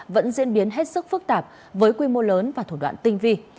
vẫn diễn biến hết sức phức tạp với quy mô lớn và thủ đoạn tinh vi